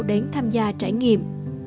đến tham gia trải nghiệm